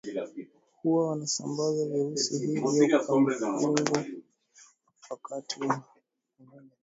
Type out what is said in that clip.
Huwa wanasambaza virusi hivyo kwa mifugo wakati wanapowanyonya damu